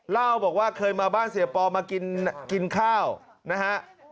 เล่าบอกว่าเคยมาบ้านเสียปอมากินข้าวนะฮะ